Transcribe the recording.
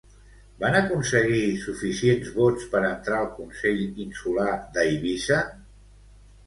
Van aconseguir suficients vots per entrar al Consell Insular d'Eivissa?